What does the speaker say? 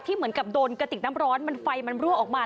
เหมือนกับโดนกระติกน้ำร้อนมันไฟมันรั่วออกมา